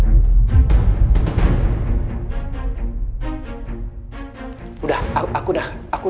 aku udah gak bisa toleransi sama sikap kamu